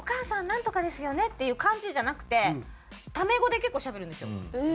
なんとかですよね」っていう感じじゃなくてタメ語で結構しゃべるんですよ。